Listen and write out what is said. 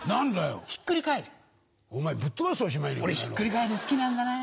俺ひっくりカエル好きなんだな。